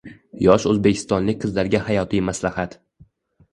Yosh o‘zbekistonlik qizlarga hayotiy maslahat.